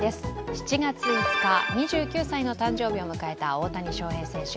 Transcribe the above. ７月５日、２９歳の誕生日を迎えた大谷翔平選手。